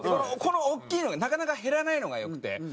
この大きいのがなかなか減らないのが良くて。